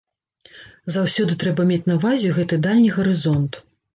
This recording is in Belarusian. Заўсёды трэба мець на ўвазе гэты дальні гарызонт.